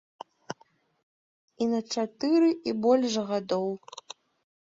І на чатыры, і больш гадоў.